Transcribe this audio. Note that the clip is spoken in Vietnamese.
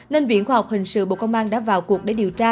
nên viện khoa học hình sự bộ công an đã vào cuộc để điều tra